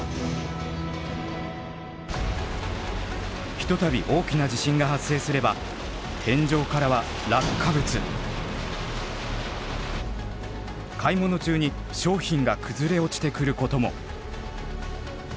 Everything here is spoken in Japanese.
ひとたび大きな地震が発生すれば天井からは買い物中に商品が崩れ落ちてくることも。